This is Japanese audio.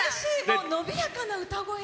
伸びやかな歌声で！